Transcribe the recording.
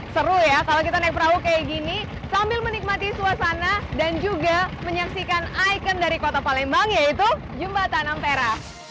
seru ya kalau kita naik perahu kayak gini sambil menikmati suasana dan juga menyaksikan ikon dari kota palembang yaitu jembatan ampera